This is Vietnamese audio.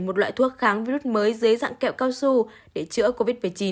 một loại thuốc kháng virus mới dưới dạng kẹo cao su để chữa covid một mươi chín